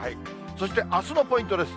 そして、あすのポイントです。